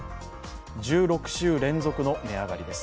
１６週連続の値上がりです。